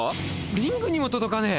⁉リングにも届かねえ！